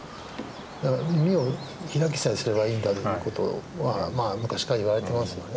だから耳を開きさえすればいいんだという事は昔から言われてますよね。